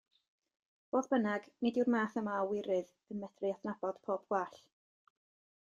Fodd bynnag, nid yw'r math yma o wirydd yn medru adnabod pob gwall.